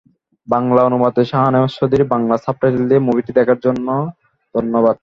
বাংলা অনুবাদেঃ শাহনেওয়াজ চৌধুরী বাংলা সাবটাইটেল দিয়ে মুভিটি দেখার জন্য ধন্যবাদ।